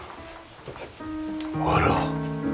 あら？